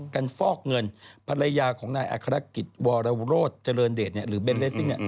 ฟอกเงินภรรยาของนายอัครกิจวรโรธเจริญเดชหรือเบนเรสซิ่ง